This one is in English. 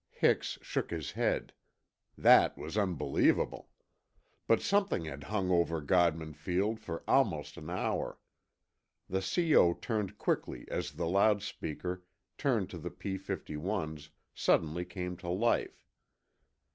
Hix shook his head. That was unbelievable. But something had hung over Godman Field for almost an hour. The C.O. turned quickly as the loud speaker, tuned to the P 51's, suddenly came to life.